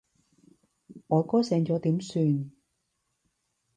我哥醒咗點算？